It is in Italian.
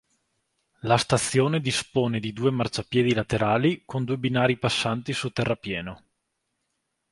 La stazione dispone di due marciapiedi laterali con due binari passanti su terrapieno.